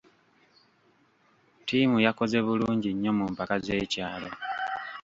Ttiimu yakoze bulungi nnyo mu mpaka z'ekyalo.